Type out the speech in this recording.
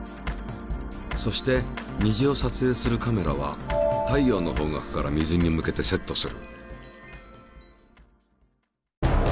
そして虹をさつえいするカメラは太陽の方角から水に向けてセットする。